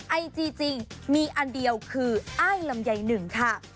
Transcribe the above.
ไอจีจริงมีอันเดียวคืออ้ายลำไยหนึ่งค่ะ